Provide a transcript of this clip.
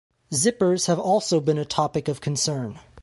Zippers have also been a topic of concern.